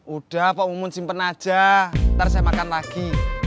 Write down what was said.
udah pok umun simpen aja ntar saya makan lagi